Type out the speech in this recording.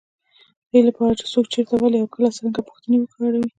دې لپاره، څوک، چېرته، ولې، کله او څرنګه پوښتنې وکاروئ.